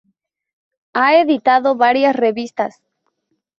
Ha editado varias revistas.